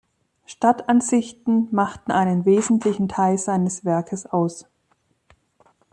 Stadtansichten machten einen wesentlichen Teil seines Werkes aus.